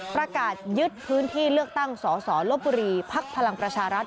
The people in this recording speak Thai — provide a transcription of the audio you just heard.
ประกาศยึดพื้นที่เลือกตั้งสสลบบุรีภักดิ์พลังประชารัฐ